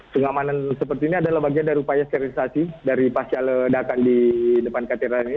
pengamanan seperti ini adalah bagian dari upaya sterilisasi dari pasca ledakan di depan katedral ini